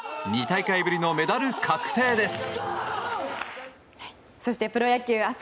２大会ぶりのメダル確定です。